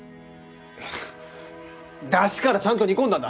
出汁からちゃんと煮込んだんだ。